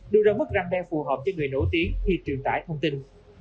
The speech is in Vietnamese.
đưa ra mức răng đe phù hợp cho người nổi tiếng khi truyền tải thông tin